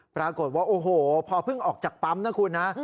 ปรากฏว่าโอ้โหพอเพิ่งออกจากปั๊มนะคุณนะ